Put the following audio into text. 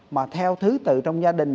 mà theo thứ tự trong gia đình